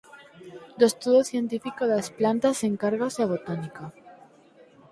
Do estudo científico das plantas encárgase a botánica.